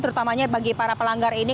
terutamanya bagi para pelanggar ini